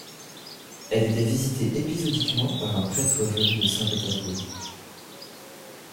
Elle était visitée épisodiquement par un prêtre venu de Saint-Pétersbourg.